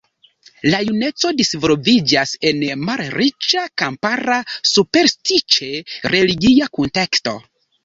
La juneco disvolviĝas en malriĉa, kampara superstiĉe religia kunteksto.